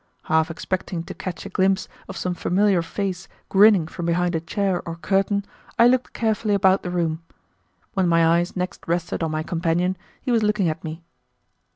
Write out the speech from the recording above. Half expecting to catch a glimpse of some familiar face grinning from behind a chair or curtain, I looked carefully about the room. When my eyes next rested on my companion, he was looking at me.